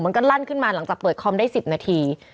มันก็ลั่นขึ้นมาหลังจากเปิดคอมได้๑๐นาที